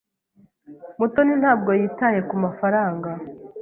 Mutoni ntabwo yitaye kumafaranga.